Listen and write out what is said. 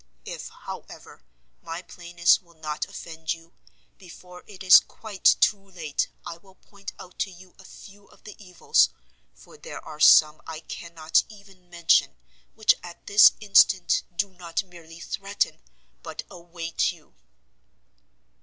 If, however, my plainness will not offend you, before it is quite too late, I will point out to you a few of the evils, for there are some I cannot even mention, which at this instant do not merely threaten, but await you."